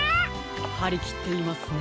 はりきっていますね。